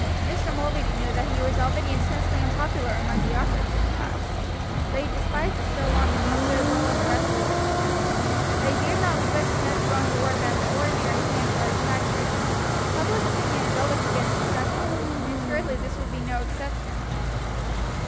Mr. Mulready knew that he was already intensely unpopular among the operative class, but he despised this so long as he stood well with the rest of the townsmen; but he dared not risk Ned's going to work as an ordinary hand in one of the factories; public opinion is always against stepfathers, and assuredly this would be no exception.